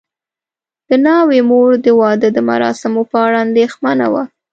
د ناوې مور د واده د مراسمو په اړه اندېښمنه وه.